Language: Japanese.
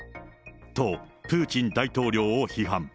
と、プーチン大統領を批判。